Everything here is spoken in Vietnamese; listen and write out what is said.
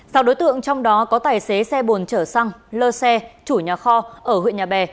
sau đối tượng trong đó có tài xế xe bồn chở xăng lơ xe chủ nhà kho ở huyện nhà bè